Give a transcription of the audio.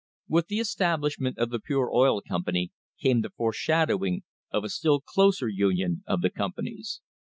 With the establishment of the Pure Oil Company came the foreshadowing of a still closer union of the companies.